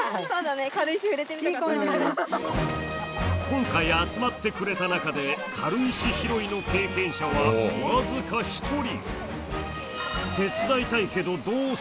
今回集まってくれた中で軽石拾いの経験者は僅か１人！